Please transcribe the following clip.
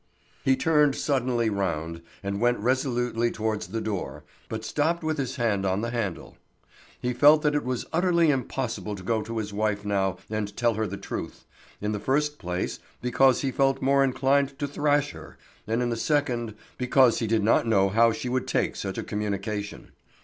He turned suddenly round, and went resolutely towards the door, but stopped with his hand on the handle. He felt that it was utterly impossible to go to his wife now and tell her the truth, in the first place because he felt more inclined to thrash her, and in the second because he did not know how she would take such a communication.